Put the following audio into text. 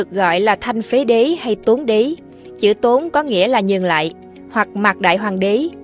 qua đời lấy thân phận là thánh phế đế hay tốn đế chữ tốn có nghĩa là nhường lại hoặc mạc đại hoàng đế